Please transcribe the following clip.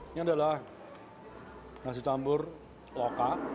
ini adalah nasi campur loka